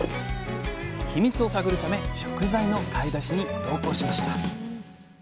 ヒミツを探るため食材の買い出しに同行しました。